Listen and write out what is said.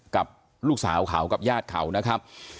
กับลูกสาวเขากับญาติเขานะครับ